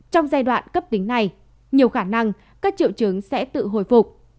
trong giai đoạn cấp tính này nhiều khả năng các triệu chứng sẽ tự hồi phục